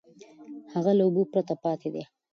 هغه له اوبو پرته پاتې دی.